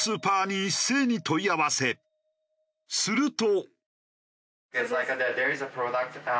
すると。